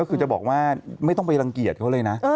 ก็คือจะบอกว่าไม่ต้องไปรังเกียจเขาเลยนะ